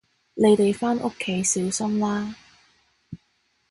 你哋返屋企小心啦